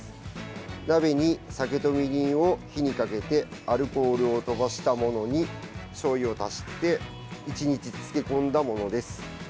鍋に酒とみりんを火にかけてアルコールをとばしたものにしょうゆを足して１日漬け込んだものです。